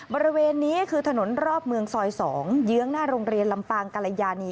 บริเวณนี้คือถนนรอบเมืองซอย๒เยื้องหน้าโรงเรียนลำปางกรยานี